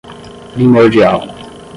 primordial